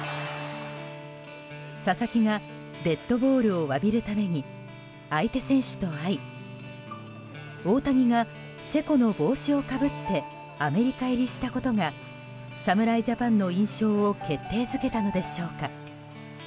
佐々木がデッドボールを詫びるために相手選手と会い大谷がチェコの帽子をかぶってアメリカ入りしたことが侍ジャパンの印象を決定づけたのでしょうか。